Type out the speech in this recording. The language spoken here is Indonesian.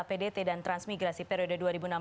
pdt dan transmigrasi periode dua ribu enam belas dua ribu